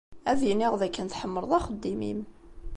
Ad iniɣ d akken tḥemmleḍ axeddim-im.